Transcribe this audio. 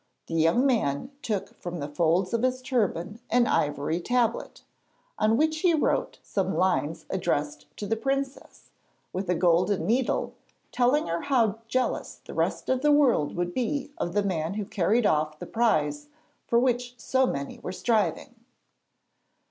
The young man took from the folds of his turban an ivory tablet, on which he wrote some lines addressed to the princess, with a golden needle, telling her how jealous the rest of the world would be of the man who carried off the prize for which so many were striving.